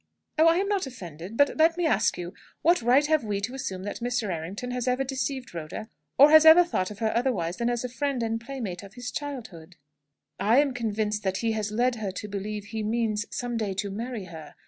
"Oh, I am not offended. But, let me ask you, what right have we to assume that Mr. Errington has ever deceived Rhoda, or has ever thought of her otherwise than as the friend and playmate of his childhood?" "I am convinced that he has led her to believe he means, some day, to marry her.